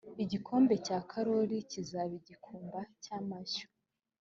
igikombe cya akori kizaba igikumba cy amashyo